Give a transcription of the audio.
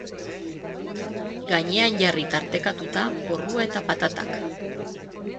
Gainean jarri tartekatuta porrua eta patatak.